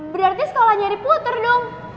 berarti sekolahnya riputer dong